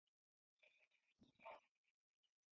The Royal Navy sent and "Amphitrite" to try and find her.